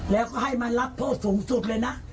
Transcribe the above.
แล้วก็ให้มารับโทษสูงสุดเลยนะ